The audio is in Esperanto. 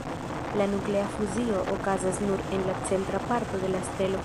La nuklea fuzio okazas nur en la centra parto de la stelo.